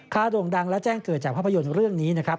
โด่งดังและแจ้งเกิดจากภาพยนตร์เรื่องนี้นะครับ